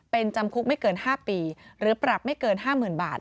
เป็นจำคุกไม่เกิน๕ปีหรือปรับไม่เกิน๕๐๐๐บาท